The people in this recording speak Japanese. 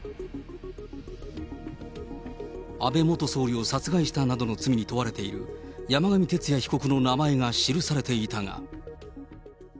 安倍元総理を殺害したなどの罪に問われている山上徹也被告の名前が記されていたが。